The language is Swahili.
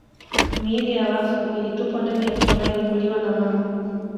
Miili ya wafu ilitupwa ndani ya mto Nile kuliwa na mamba